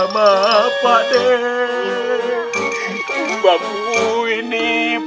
namun kapan otras berbincang dengan pak nek